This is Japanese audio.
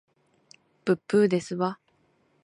ぶっぶーですわ